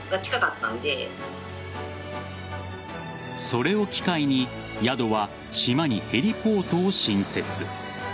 それを機会に宿は島にヘリポートを新設。